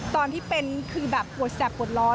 ตอนที่เป็นคือแบบปวดแสบปวดร้อน